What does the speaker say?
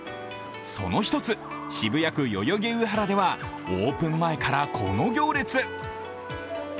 その１つ、渋谷区代々木上原ではオープン前からこの行列。